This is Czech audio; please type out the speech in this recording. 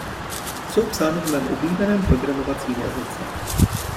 Jsou psány v mém oblíbeném programovacím jazyce.